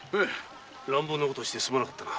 乱暴なことをしてすまなかったな。